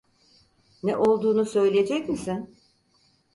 Ne olduğunu söyleyecek misin?